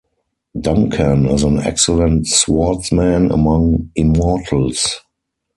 Duncan is an excellent swordsman among Immortals.